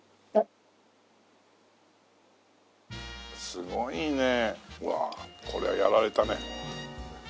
すごいねえわあこりゃやられたね。